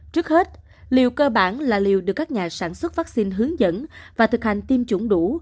trước hết liều cơ bản là liều được các nhà sản xuất vaccine hướng dẫn và thực hành tiêm chủng đủ